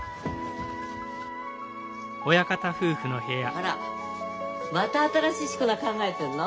あらまた新しい四股名考えてんの？